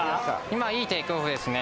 今いいテイクオフですね。